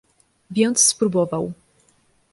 Więc spróbował.